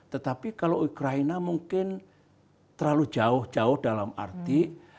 tetapi kalau ukraina mungkin terlalu jauh jauh dalam arti